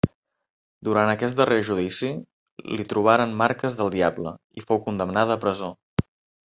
Durant aquest darrer judici li trobaren marques del diable i fou condemnada a presó.